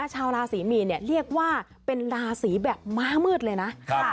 ชาวราศรีมีนเรียกว่าเป็นราศีแบบม้ามืดเลยนะ